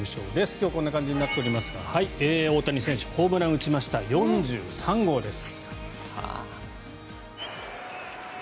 今日はこんな感じになっておりますが大谷選手、ホームラン打ちました４３号です。